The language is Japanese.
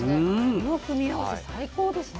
この組み合わせ最高ですね。